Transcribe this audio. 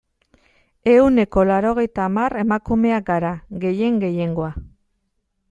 Ehuneko laurogeita hamar emakumeak gara, gehien gehiengoa.